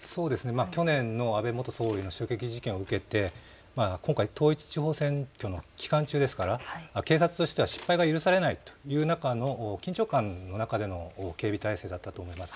去年の安倍元総理の襲撃事件を受けて今回、統一地方選挙の期間中ですから警察としては失敗が許されないという中の緊張感の中での警備態勢だったと思います。